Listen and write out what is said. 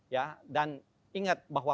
ya dan ingat bahwa